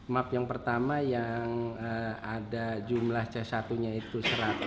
map yang pertama yang ada jumlah c satu nya itu seratus